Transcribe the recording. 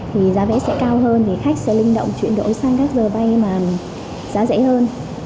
thì giá vé sẽ cao hơn thì khách sẽ linh động chuyển đổi sang các giờ bay mà giá rẻ hơn